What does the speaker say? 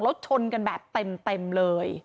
แล้วชนกันแบบเต็มเลย